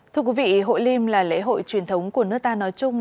thưa quý vị hội liêm là lễ hội truyền thống của nước ta nói chung